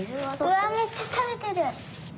うわめっちゃたべてる！